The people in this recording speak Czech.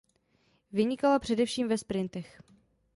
Vynikala především ve sprintech.